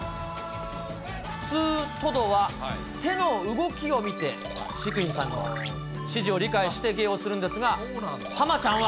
普通、トドは手の動きを見て、飼育員さんの指示を理解して、芸をするんですが、ハマちゃんは。